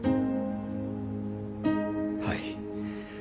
はい。